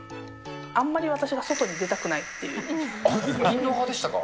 あんまり私が外に出たくないインドア派でしたか。